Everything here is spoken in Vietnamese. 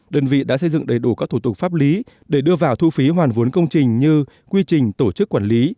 đơn vị đã xây dựng đầy đủ các thủ tục pháp lý để đưa vào thu phí hoàn vốn công trình như quy trình tổ chức quản lý